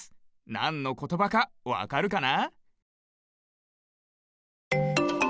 なんのことばかわかるかな？